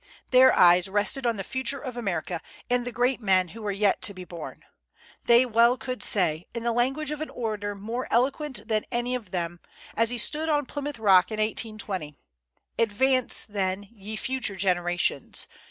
Their eyes rested on the future of America, and the great men who were yet to be born. They well could say, in the language of an orator more eloquent than any of them, as he stood on Plymouth Rock in 1820: "Advance, then, ye future generations!